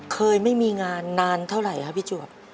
เคยไม่มีงานนานเท่าไหร่ครับพี่จวบ